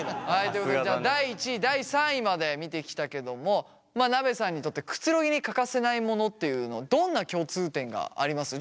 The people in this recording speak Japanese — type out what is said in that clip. ということでじゃあ第１位第３位まで見てきたけどもなべさんにとってくつろぎに欠かせないモノっていうのどんな共通点があります？